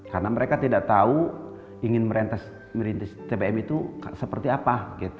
karena mereka tidak tahu ingin merintis tbm itu seperti apa